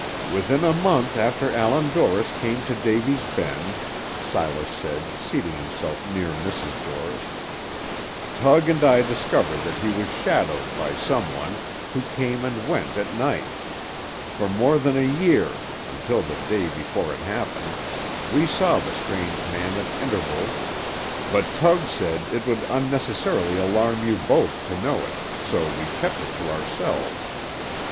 "Within a month after Allan Dorris came to Davy's Bend," Silas said, seating himself near Mrs. Dorris, "Tug and I discovered that he was shadowed by some one, who came and went at night. For more than a year, until the day before it happened we saw the strange man at intervals, but Tug said it would unnecessarily alarm you both to know it, so we kept it to ourselves.